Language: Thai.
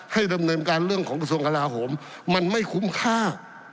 ดำเนินการเรื่องของกระทรวงกลาโหมมันไม่คุ้มค่า